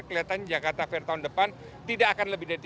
kelihatan jakarta fair tahun depan tidak akan lebih dari tiga puluh